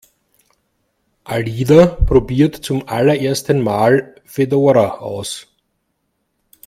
Alida probiert zum allerersten Mal Fedora aus.